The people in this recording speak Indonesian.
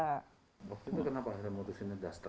waktu itu kenapa ada modus ini duster